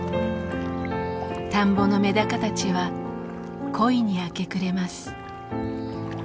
田んぼのメダカたちは恋に明け暮れます。